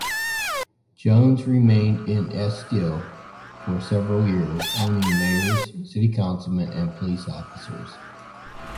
Jones remained in Estill for several years, owning mayors, city councilmen, and police officers.